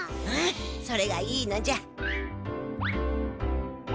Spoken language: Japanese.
ああそれがいいのじゃ。